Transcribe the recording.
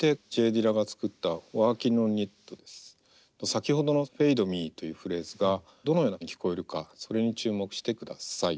先ほどのｆａｄｅｍｅというフレーズがどのように聞こえるかそれに注目してください。